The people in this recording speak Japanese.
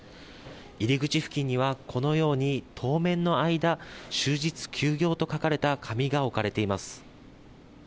入り口付近にはこのように当面の間、終日休業と書かれた紙が置かれています。